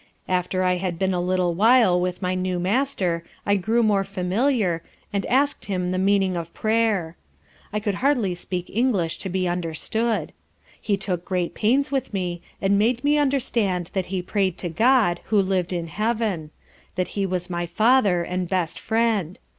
After I had been a little while with my new master I grew more familiar, and ask'd him the meaning of prayer: (I could hardly speak english to be understood) he took great pains with me, and made me understand that he pray'd to God, who liv'd in Heaven; that He was my Father and best Friend.